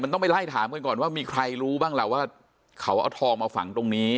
ต้องไปไล่ถามกันก่อนว่ามีใครรู้บ้างล่ะว่าเขาเอาทองมาฝังตรงนี้